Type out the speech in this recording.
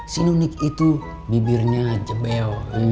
si nunik itu bibirnya jebel